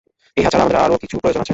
ইহা ছাড়া আমাদের আরও কিছু প্রয়োজন আছে।